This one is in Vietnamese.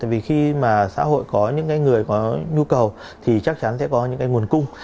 vì khi mà xã hội có những người có nhu cầu thì chắc chắn sẽ có những cái nguồn cung